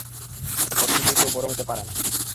অর্থ দিয়ে কেউ, বড় হতে পারে না।